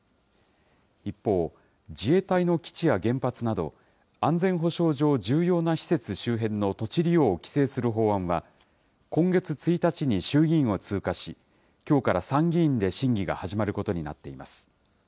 一方、自衛隊の基地や原発など、安全保障上重要な施設周辺の土地利用を規制する法案は、今月１日に衆議院を通過し、きょうから参議院で審議が始まることになっています。